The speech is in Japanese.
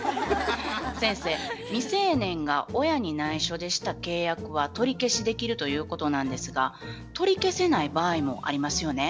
先生未成年が親に内緒でした契約は取り消しできるということなんですが取り消せない場合もありますよね？